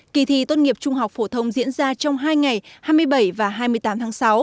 kỳ thi tốt nghiệp trung học phổ thông diễn ra trong hai ngày hai mươi bảy và hai mươi tám tháng sáu